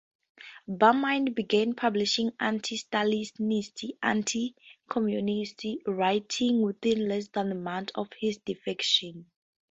Barmine began publishing anti-Stalinist, anti-Communist writings within less than a month of his defection.